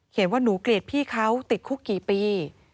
ว่าหนูเกลียดพี่เขาติดคุกกี่ปี